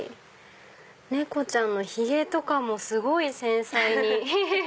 猫ちゃんのヒゲとかもすごい繊細に。